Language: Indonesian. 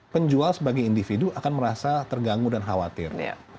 penjual sebagai individu akan merasa terganggu dan khawatir